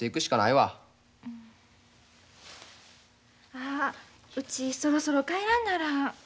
あうちそろそろ帰らんならん。